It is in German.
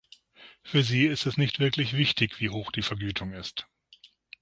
Für sie ist es nicht wirklich wichtig, wie hoch die Vergütung ist.